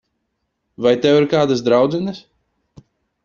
Vai tev ir kādas draudzenes?